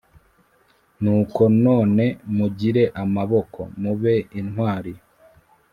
Nuko none mugire amaboko mube intwari